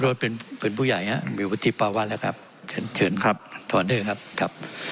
โรธเป็นเป็นผู้ใหญ่ฮะมีวัติประวัติแล้วครับเฉินเฉินครับถอนด้วยครับ